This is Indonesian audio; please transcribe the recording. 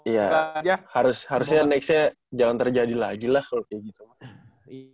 iya harusnya next nya jangan terjadi lagi lah kalo kayak gitu